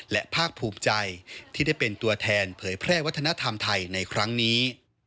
และภาคภูมิใจที่ได้เป็นตัวแทนเผยแพร่วัฒนธรรมไทยในครั้งนี้